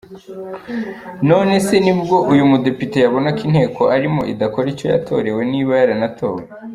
None se nibwo uyu mudepite yabona ko inteko arimo idakora icyo yatorewe niba yaranatowe?.